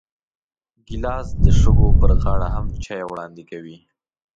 ګیلاس د شګو پر غاړه هم چای وړاندې کوي.